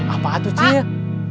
apa tuh cil